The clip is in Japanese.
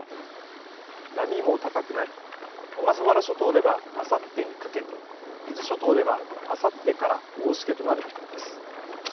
波も高くなり小笠原諸島ではあさってにかけて、伊豆諸島ではあさってから大しけとなる見込みです。